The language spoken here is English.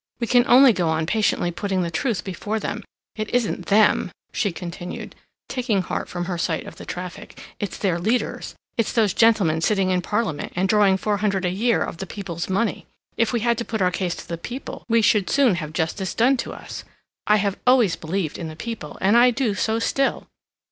We can only go on patiently putting the truth before them. It isn't them," she continued, taking heart from her sight of the traffic, "it's their leaders. It's those gentlemen sitting in Parliament and drawing four hundred a year of the people's money. If we had to put our case to the people, we should soon have justice done to us. I have always believed in the people, and I do so still.